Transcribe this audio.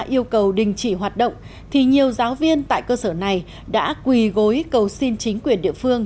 yêu cầu đình chỉ hoạt động thì nhiều giáo viên tại cơ sở này đã quỳ gối cầu xin chính quyền địa phương